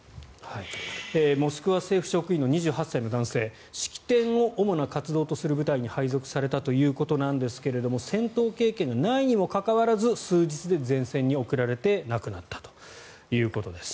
モスクワ政府職員の２８歳の男性式典を主な活動とする部隊に配属されたんですが戦闘経験がないにもかかわらず数日で前線に送られて亡くなったということです。